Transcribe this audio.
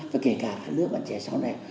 và kể cả lứa bạn trẻ sau này